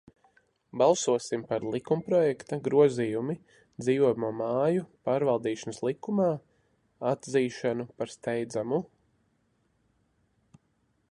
"Balsosim par likumprojekta "Grozījumi Dzīvojamo māju pārvaldīšanas likumā" atzīšanu par steidzamu!"